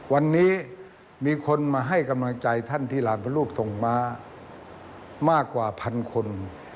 วันนี้มีคนมาให้กำลังใจท่านที่หลานพระรูปส่งมามากกว่าพันคน